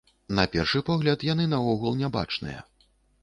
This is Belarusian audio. На першы погляд, яны наогул не бачныя.